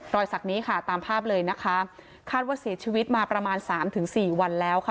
สักนี้ค่ะตามภาพเลยนะคะคาดว่าเสียชีวิตมาประมาณสามถึงสี่วันแล้วค่ะ